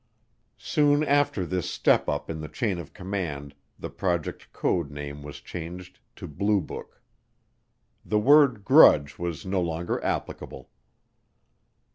Soon after this step up in the chain of command the project code name was changed to Blue Book. The word "Grudge" was no longer applicable.